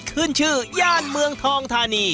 ขึ้นชื่อย่านเมืองทองธานี